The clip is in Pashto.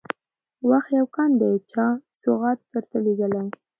وخت يو كان دى چا سوغات درته لېږلى